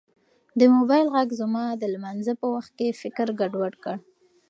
د موبایل غږ زما د لمانځه په وخت کې فکر ګډوډ کړ.